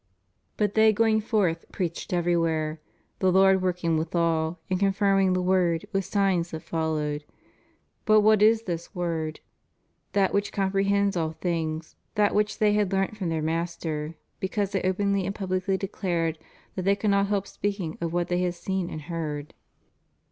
But they going forth preached everywhere: the Lord working withal, and confirming the word with signs that followed.'' But what is this word? That which comprehends all things, that wliich they had learnt from their Master; because they openly and publicly declare that they cannot help speaking of what they had seen and heard.